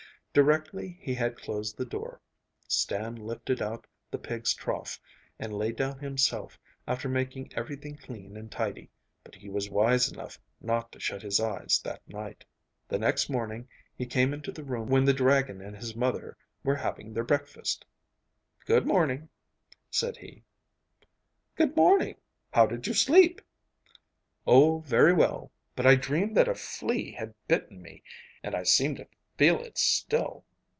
Directly he had closed the door, Stan lifted out the pigs' trough, and lay down himself, after making everything clean and tidy, but he was wise enough not to shut his eyes that night. The next morning he came into the room when the dragon and his mother were having their breakfast. 'Good morning,' said he. 'Good morning. How did you sleep?' 'Oh, very well, but I dreamed that a flea had bitten me, and I seem to feel it still.